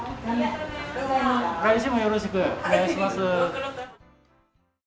来週もよろしくお願いします。